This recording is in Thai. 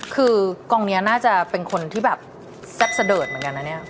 คือกองนี้น่าจะเป็นคนที่แบบแซ่บเสดิร์ดเหมือนกันนะเนี่ย